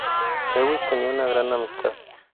Lewis tenía una gran amistad.